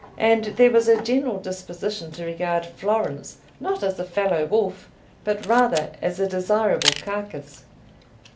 And there was a general disposition to regard Florence not as a fellow wolf, but rather as a desirable carcass.